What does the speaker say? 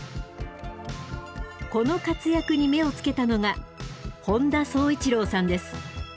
この活躍に目をつけたのが本田宗一郎さんです。